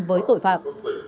với tội phạm